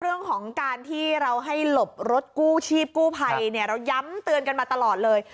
เรื่องของการที่เราให้หลบรถกู้ชีพกู้ภัยเนี่ยเราย้ำเตือนกันมาตลอดเลย